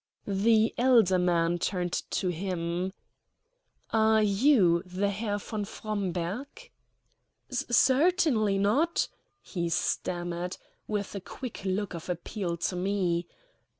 The elder man turned to him. "Are you the Herr von Fromberg?" "Certainly not," he stammered, with a quick look of appeal to me.